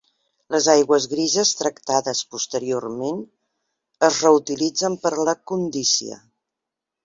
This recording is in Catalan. Les aigües grises tractades posteriorment es reutilitzen per a la condícia.